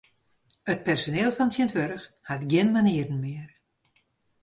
It personiel fan tsjintwurdich hat gjin manieren mear.